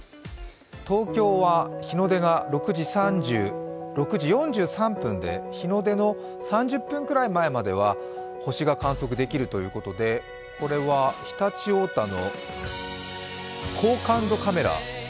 東京は日の出が６時４３分で日出の３０分くらい前までは星が観測できるということでこれは常陸太田の高感度カメラ。